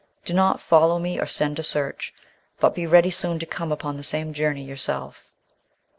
Do not follow me, or send to search, but be ready soon to come upon the same journey yourself."